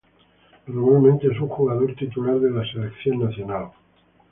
Normalmente es un jugador titular de la Selección nacional.